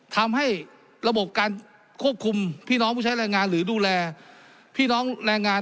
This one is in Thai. ทำให้ระบบการควบคุมพี่น้องผู้ใช้แรงงานหรือดูแลพี่น้องแรงงาน